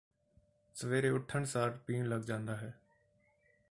ਸਵੇਰੇ ਉਠਣ ਸਾਰ ਪੀਣ ਲੱਗ ਜਾਂਦਾ ਹੈ